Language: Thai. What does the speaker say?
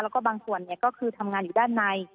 แล้วก็บางส่วนก็คือทำงานอยู่ด้านใน